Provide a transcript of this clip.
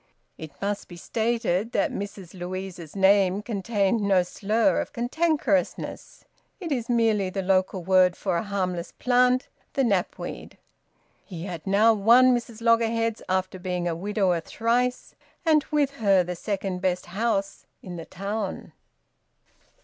(It must be stated that Mrs Louisa's name contained no slur of cantankerousness; it is merely the local word for a harmless plant, the knapweed.) He had now won Mrs Loggerheads, after being a widower thrice, and with her the second best `house' in the town.